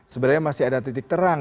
sebenarnya masih ada titik terang